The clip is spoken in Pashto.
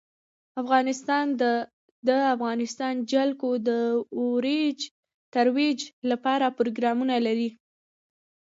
افغانستان د د افغانستان جلکو د ترویج لپاره پروګرامونه لري.